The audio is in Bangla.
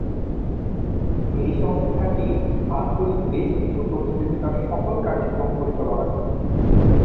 এই সংস্থাটি আঞ্চলিক বেশ কিছু প্রতিযোগিতার সকল কার্যক্রম পরিচালনা করে।